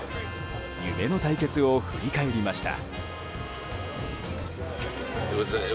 夢の対決を振り返りました。